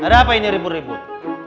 ada apa ini ribut ribut